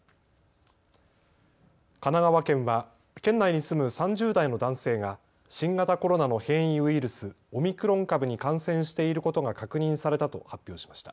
神奈川県は県内に住む３０代の男性が新型コロナの変異ウイルス、オミクロン株に感染していることが確認されたと発表しました。